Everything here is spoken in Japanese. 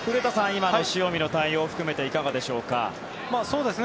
今の塩見の対応を含めていかがでしょうか。